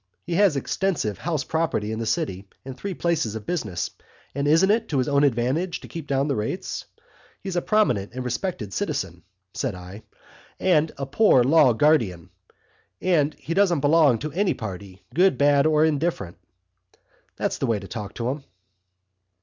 'He has extensive house property in the city and three places of business and isn't it to his own advantage to keep down the rates? He's a prominent and respected citizen,' said I, 'and a Poor Law Guardian, and he doesn't belong to any party, good, bad, or indifferent.' That's the way to talk to 'em."